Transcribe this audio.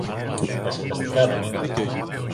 Διασκεδαστικά δεν είναι.